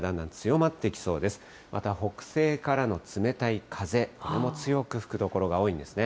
また北西からの冷たい風、これも強く吹く所が多いんですね。